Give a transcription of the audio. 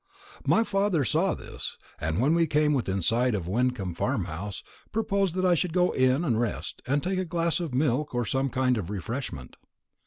My father saw this, and when we came within sight of Wyncomb Farmhouse, proposed that I should go in and rest, and take a glass of milk or some kind of refreshment.